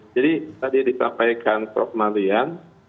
jadi tadi disampaikan prof manlian